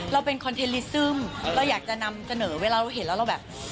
เราเป็นคอนเทนลิซึมเราอยากจะนำเสนอเวลาเราเห็นแล้วเราแบบ